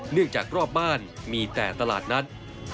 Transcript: เนื่องจากรอบบ้านมีแต่ตลาดนัด